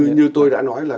như tôi đã nói là